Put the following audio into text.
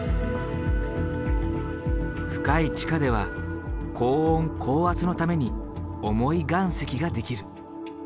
深い地下では高温高圧のために重い岩石ができる。